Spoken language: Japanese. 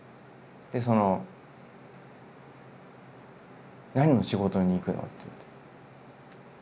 でその「何の仕事にいくの？」って言って。